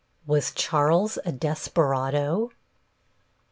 +WAS CHARLES A DESPERADO?